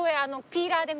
ピーラーで！？